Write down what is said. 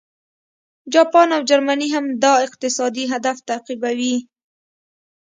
جاپان او جرمني هم دا اقتصادي هدف تعقیبوي